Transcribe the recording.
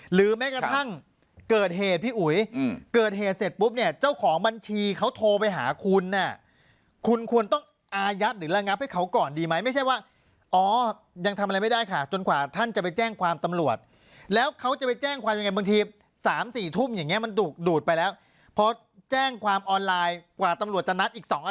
แม้กระทั่งเกิดเหตุพี่อุ๋ยเกิดเหตุเสร็จปุ๊บเนี่ยเจ้าของบัญชีเขาโทรไปหาคุณคุณควรต้องอายัดหรือระงับให้เขาก่อนดีไหมไม่ใช่ว่าอ๋อยังทำอะไรไม่ได้ค่ะจนกว่าท่านจะไปแจ้งความตำรวจแล้วเขาจะไปแจ้งความยังไงบางที๓๔ทุ่มอย่างนี้มันดูดไปแล้วพอแจ้งความออนไลน์กว่าตำรวจจะนัดอีก๒อัน